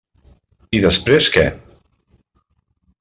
I després què?